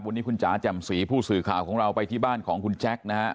วันนี้คุณจ๋าแจ่มสีผู้สื่อข่าวของเราไปที่บ้านของคุณแจ็คนะฮะ